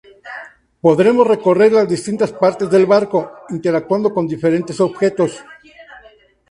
Podremos recorrer las distintas partes del barco interactuando con diferentes objetos.